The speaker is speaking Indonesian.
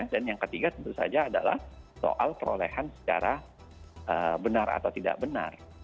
dan yang ketiga tentu saja adalah soal perolehan secara benar atau tidak benar